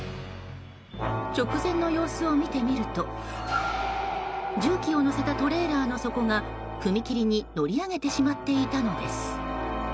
直前の様子を見てみると重機を載せたトレーラーの底が踏切に乗り上げてしまっていたのです。